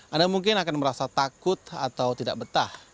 anda mungkin akan merasa takut atau tidak betah